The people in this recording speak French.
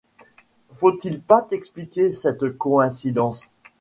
Faut-il pas t’expliquer cette coïncidence ?